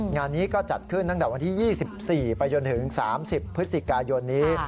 งานนี้ก็จัดขึ้นตั้งแต่วันที่๒๔ไปจนถึง๓๐พฤศจิกายนนี้